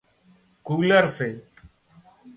ڪُولر سي